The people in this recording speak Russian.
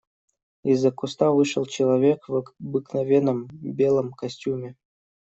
Из-за куста вышел человек в обыкновенном белом костюме.